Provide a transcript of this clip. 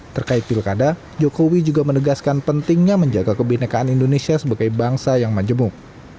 terkait pilkada jokowi juga menegaskan pentingnya menjaga kebenekaan indonesia sebagai bangsa yang majemuk